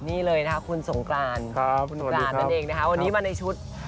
นี่เลยนะคะคุณสงกรานคุณกรานนั่นเองนะคะวันนี้มาในชุด